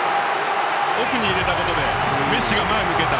奥に入れたことでメッシが前を向けた。